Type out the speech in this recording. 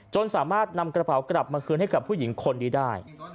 สามารถนำกระเป๋ากลับมาคืนให้กับผู้หญิงคนนี้ได้